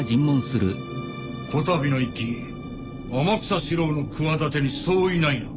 此度の一揆天草四郎の企てに相違ないな？